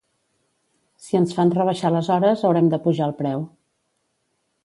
Si ens fan rebaixar les hores haurem d'apujar el preu